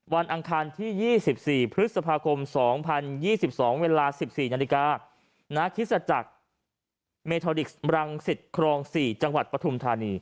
วันอังคารที่๒๔พฤศภาคม๒๐๒๒เวลา๑๔นพม